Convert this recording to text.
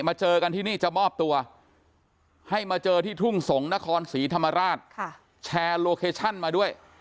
เจอกันที่นี่จะมอบตัวให้มาเจอที่ทุ่งสงศ์นครศรีธรรมราชแชร์โลเคชั่นมาด้วย